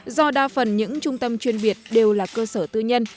do đa phần những trung tâm chuyên biệt đều là cơ sở tư nhân